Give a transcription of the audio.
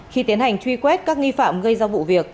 khi tiến hành truy quét các nghi phạm gây ra vụ việc